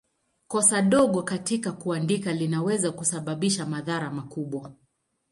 Kosa dogo katika kuandika linaweza kusababisha madhara makubwa.